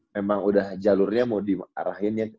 memang udah jalurnya mau diarahin ya